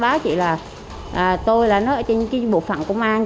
nó báo chị là tôi là nó ở trên cái bộ phận công an